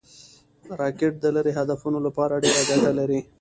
راکټ د لرې هدفونو لپاره ډېره ګټه لري